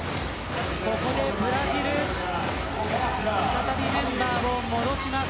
ここでブラジル再びメンバーを戻します。